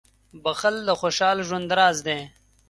• بښل د خوشحال ژوند راز دی.